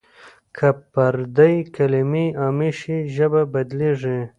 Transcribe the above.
که پردۍ کلمې عامې شي ژبه بدلېږي.